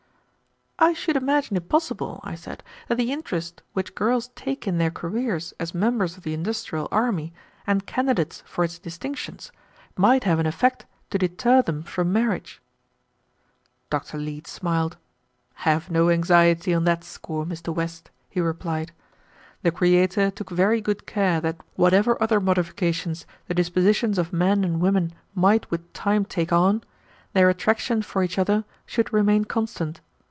"I should imagine it possible," I said, "that the interest which girls take in their careers as members of the industrial army and candidates for its distinctions might have an effect to deter them from marriage." Dr. Leete smiled. "Have no anxiety on that score, Mr. West," he replied. "The Creator took very good care that whatever other modifications the dispositions of men and women might with time take on, their attraction for each other should remain constant.